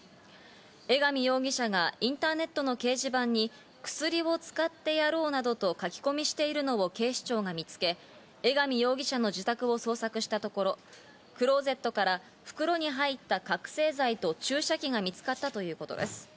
江上容疑者がインターネットの掲示板に薬を使ってやろうなどと書き込みしているのを警視庁が見つけ、江上容疑者の自宅を捜索したところ、クローゼットから袋に入った覚醒剤と注射器が見つかったということです。